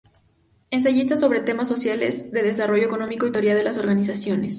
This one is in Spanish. Ensayista sobre temas sociales, de desarrollo económico y teoría de las organizaciones.